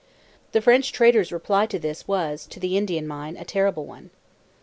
The French trader's reply to this was, to the Indian mind, a terrible one.